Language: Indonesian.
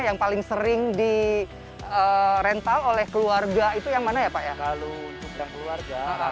yang paling sering di rental oleh keluarga itu yang mana ya pak ya kalau untuk keluarga